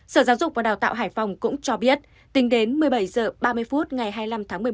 sở giáo dục và đào tạo hải phòng cũng cho biết tính đến một mươi bảy h ba mươi phút ngày hai mươi năm tháng một mươi một